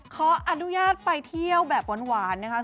ขออนุญาตไปเที่ยวแบบหวานนะคะ